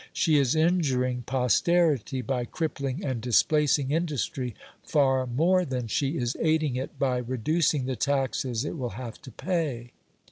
She is injuring posterity by crippling and displacing industry, far more than she is aiding it by reducing the taxes it will have to pay.